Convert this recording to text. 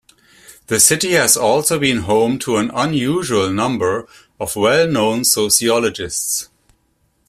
The city has also been home to an unusual number of well-known sociologists.